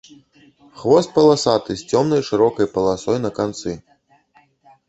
Хвост паласаты з цёмнай шырокай паласой на канцы.